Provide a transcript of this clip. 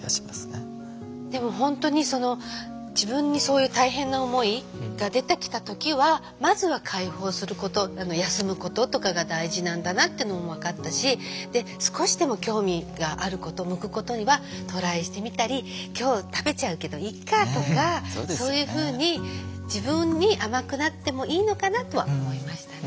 でも本当にその自分にそういう大変な思いが出てきた時はまずは解放すること休むこととかが大事なんだなっていうのも分かったしで少しでも興味があること向くことにはトライしてみたり「今日食べちゃうけどいっか」とかそういうふうに自分に甘くなってもいいのかなとは思いましたね。